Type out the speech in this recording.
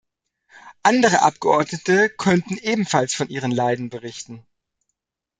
Andere Abgeordnete könnten ebenfalls von ihren Leiden berichten.